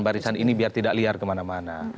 barisan ini biar tidak liar kemana mana